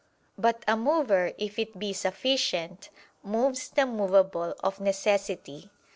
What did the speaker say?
But a mover, if it be sufficient, moves the movable of necessity.